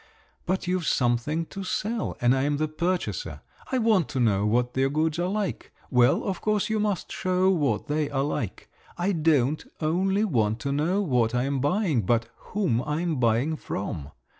But you've something to sell, and I'm the purchaser. I want to know what your goods are like. Well, of course, you must show what they are like. I don't only want to know what I'm buying, but whom I'm buying from.